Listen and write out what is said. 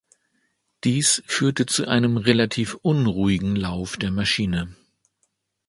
Dies führte zu einem relativ unruhigen Lauf der Maschine.